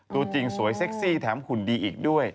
ตัวจริงสวยเซ็กซี่แถมหุ่นดีอีกด้วย